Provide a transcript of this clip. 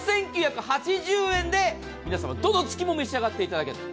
８９８０円で皆さまどの月も召し上がっていただける。